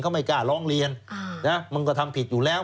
เขาไม่กล้าร้องเรียนมันก็ทำผิดอยู่แล้ว